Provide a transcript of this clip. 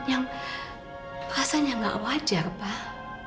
yang rasanya nggak wajar pak